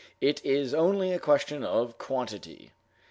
"It is only a question of quantity."